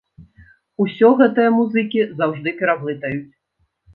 Усё гэтыя музыкі заўжды пераблытаюць!